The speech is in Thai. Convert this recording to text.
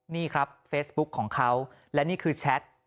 นี่ครับเฟซบุ๊กของเขาและนี่คือแชท